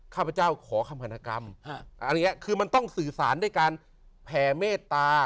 ข้าพเจ้าขอคำวรรณกรรมอันเนี้ยคือมันต้องสื่อสารด้วยการแผ่เมตตา